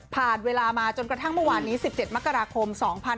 เวลามาจนกระทั่งเมื่อวานนี้๑๗มกราคม๒๕๖๒